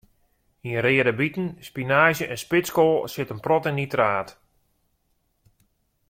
Yn reade biten, spinaazje en spitskoal sit in protte nitraat.